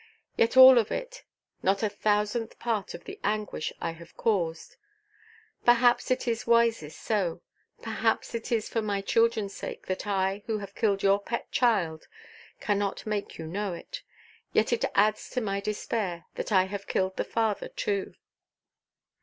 Yet all of it not a thousandth part of the anguish I have caused. Perhaps it is wisest so. Perhaps it is for my childrenʼs sake that I, who have killed your pet child, cannot make you know it. Yet it adds to my despair, that I have killed the father too."